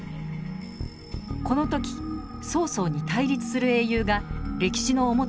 この時曹操に対立する英雄が歴史の表舞台に登場します。